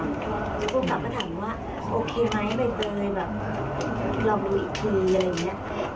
แล้วก็กลับมาถามว่าโอเคไหมเบ๊เตอร์เรารู้อีกทีอะไรอย่างนี้